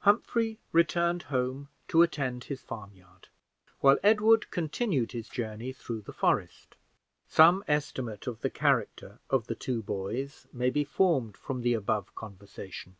Humphrey returned home to attend his farmyard, while Edward continued his journey through the forest. Some estimate of the character of the two boys may be formed from the above conversation.